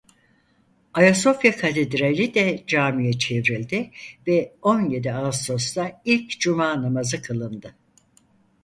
Ayasofya Katedrali de camiye çevrildi ve on yedi Ağustos'ta ilk Cuma namazı kılındı.